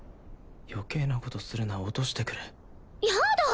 余計なことするな落としてくれヤダ！